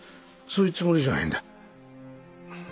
そういうつもりじゃねえんだ。